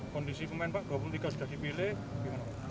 kondisi pemain pak dua puluh tiga sudah dipilih